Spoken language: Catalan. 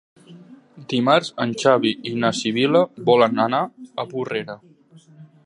Dimarts en Xavi i na Sibil·la volen anar a Porrera.